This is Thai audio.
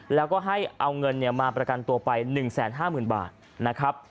แล้วก็ให้เอาเงินมาประกันตัวไป๑๕๐๐๐บาทนะครับ